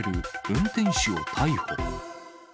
運転手を逮捕。